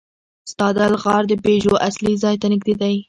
ستادل غار د پيژو اصلي ځای ته نږدې دی.